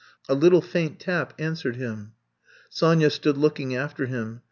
A little faint tap answered him. Sonya stood looking after him.